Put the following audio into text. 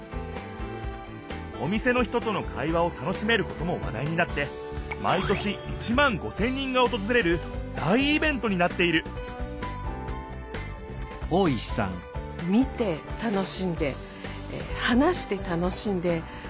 お店の人との会話を楽しめることも話題になって毎年１万５千人がおとずれる大イベントになっていると思っています。